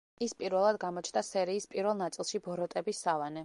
ის პირველად გამოჩნდა სერიის პირველ ნაწილში „ბოროტების სავანე“.